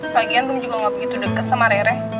lagian rom juga gak begitu deket sama rere